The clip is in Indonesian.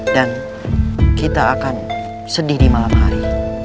dan kita akan sedih di malam hari